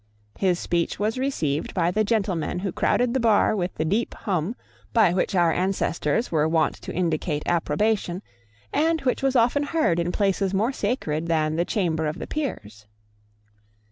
His speech was received by the gentlemen who crowded the bar with the deep hum by which our ancestors were wont to indicate approbation, and which was often heard in places more sacred than the Chamber of the Peers.